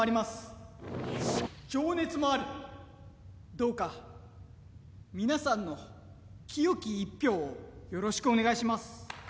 どうか皆さんの清き一票をよろしくお願いします。